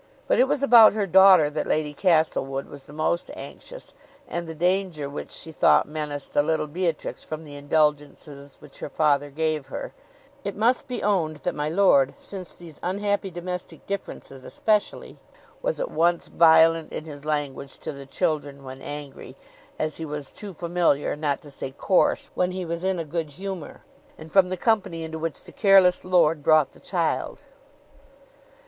But it was about her daughter that Lady Castlewood was the most anxious, and the danger which she thought menaced the little Beatrix from the indulgences which her father gave her, (it must be owned that my lord, since these unhappy domestic differences especially, was at once violent in his language to the children when angry, as he was too familiar, not to say coarse, when he was in a good humor,) and from the company into which the careless lord brought the child.